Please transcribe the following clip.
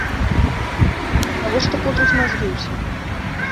Навошта пудрыць мазгі ўсім?